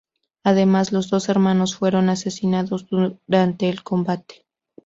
Además, los dos hermanos fueron asesinados durante el combate.